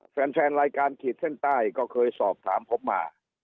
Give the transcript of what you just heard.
แฟนรายการขีดเส้นใต้ก็เคยสอบถามพบมา